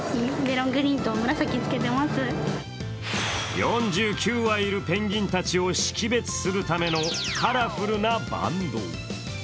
４９羽いるペンギンたちを識別するためのカラフルなバンド。